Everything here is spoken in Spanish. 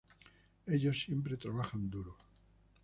Ellos siempre trabajan duro.